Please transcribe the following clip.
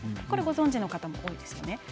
これ、ご存じの方も多いですね。